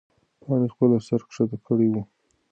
پاڼې خپل سر ښکته کړی و.